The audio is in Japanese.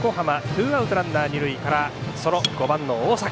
ツーアウト、ランナー、二塁からその５番の大坂。